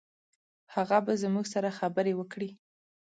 هغه به زموږ سره خبرې وکړي.